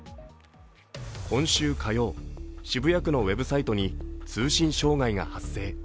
今週火曜、渋谷区のウェブサイトに通信障害が発生。